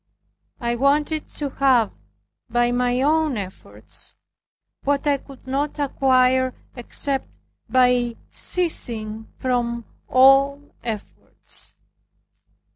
I wanted to have, by my own efforts, what I could not acquire except by ceasing from all efforts.